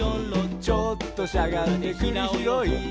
「ちょっとしゃがんでくりひろい」